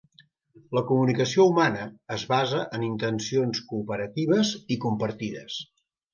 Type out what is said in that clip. La comunicació humana es basa en intencions cooperatives i compartides.